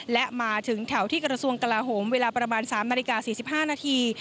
และมาถึงแถวที่กระทรวงกลาโหมเวลาประมาณ๓นาฬิกา๔๕นาที